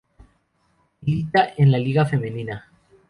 Milita en la Liga Femenina.